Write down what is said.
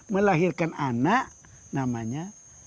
melahirkan anak namanya